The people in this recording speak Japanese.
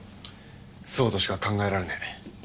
そうとしか考えられねえ。